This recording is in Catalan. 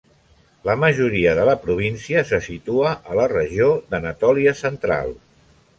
La majoria de la província se situa a la Regió d'Anatòlia Central.